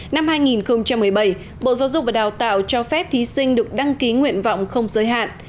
năm hai nghìn một mươi bảy bộ giáo dục và đào tạo cho phép thí sinh được đăng ký nguyện vọng không giới hạn